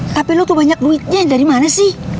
tapi lo tuh banyak duitnya dari mana sih